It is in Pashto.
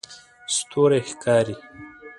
ستوری ښکاري